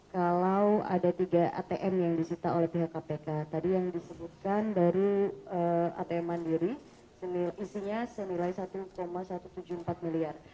kalau ada tiga atm yang disita oleh pihak kpk tadi yang disebutkan baru atm mandiri isinya senilai satu satu ratus tujuh puluh empat miliar